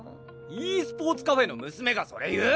ｅスポーツカフェの娘がそれ言う！？